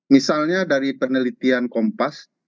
misalnya dari penelitian kompas